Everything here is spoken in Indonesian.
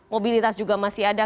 mobilitas juga masih ada